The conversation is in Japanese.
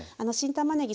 たまねぎ